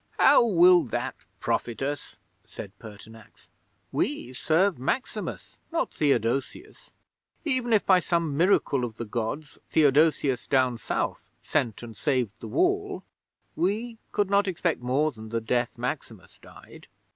'"How will that profit us?" said Pertinax. "We serve Maximus, not Theodosius. Even if by some miracle of the Gods Theodosius down South sent and saved the Wall, we could not expect more than the death Maximus died."